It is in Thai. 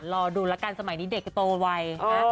รอดูละกันสมัยนี้เด็กก็โตวัย